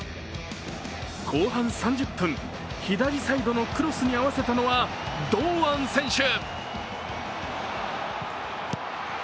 後半３０分、左サイドのクロスに合わせたのは堂安選手。